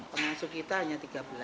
pengasuh kita hanya tiga belas